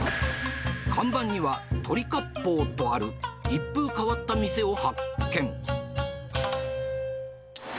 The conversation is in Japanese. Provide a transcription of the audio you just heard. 看板には、鳥割烹とある一風変わった店を発見。